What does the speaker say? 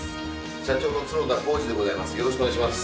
社長の角田浩司でございます。